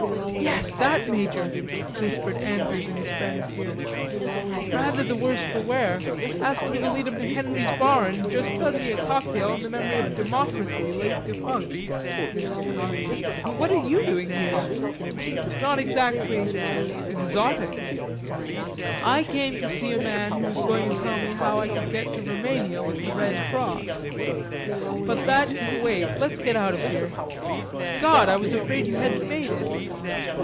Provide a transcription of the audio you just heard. "Yes; that major," whispered Andrews in his friend's ear, "rather the worse for wear, asked me to lead him to Henry's Bar and just fed me a cocktail in the memory of Democracy, late defunct.... But what are you doing here? It's not exactly... exotic." "I came to see a man who was going to tell me how I could get to Rumania with the Red Cross.... But that can wait.... Let's get out of here. God, I was afraid you hadn't made it."